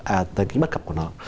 à tới ký bất cập của nó